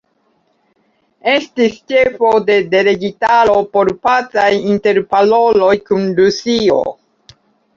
Estis ĉefo de delegitaro por pacaj interparoloj kun Rusio.